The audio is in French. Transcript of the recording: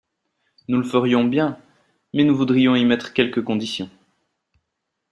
»Nous le ferions bien, mais nous voudrions y mettre quelques conditions.